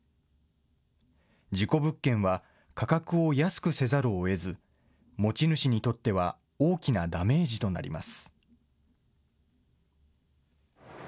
事故物件は価格を安くせざるをえず、持ち主にとっては大きなダメージとなります。